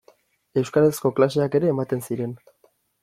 Euskarazko klaseak ere ematen ziren.